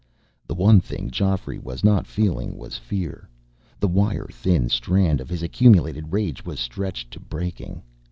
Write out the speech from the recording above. The one thing Geoffrey was not feeling was fear. The wire thin strand of his accumulated rage was stretched to breaking.